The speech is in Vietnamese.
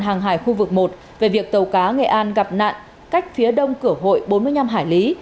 hàng hải khu vực một về việc tàu cá nghệ an gặp nạn cách phía đông cửa hội bốn mươi năm hải lý